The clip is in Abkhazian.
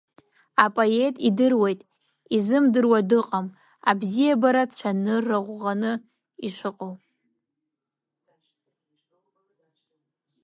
Апоет идыруеит, изымдыруа дыҟам абзиабара цәанырра ӷәӷаны ишыҟоу.